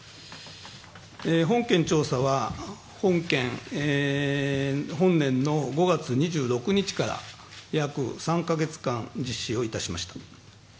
本件調査は本年の５月２６日から約３か月間実施をいたしました。